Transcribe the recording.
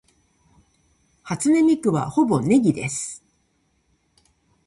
初音ミクはほぼネギです